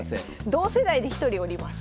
同世代で１人おります。